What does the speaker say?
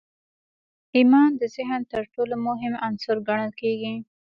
ايمان د ذهن تر ټولو مهم عنصر ګڼل کېږي.